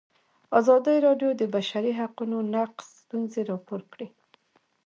ازادي راډیو د د بشري حقونو نقض ستونزې راپور کړي.